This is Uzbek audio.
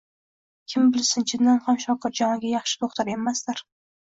Kim bilsin, chindan ham, Shokirjon aka yaxshi do‘xtir emasdir